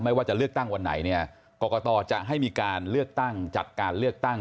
ว่าจะเลือกตั้งวันไหนเนี่ยกรกตจะให้มีการเลือกตั้งจัดการเลือกตั้ง